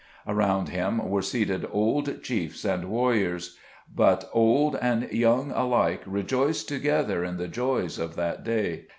Around him were seated old chiefs and warriors. But old and young alike rejoiced together in the joys of that day.